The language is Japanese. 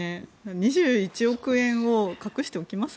２１億円を隠しておきます？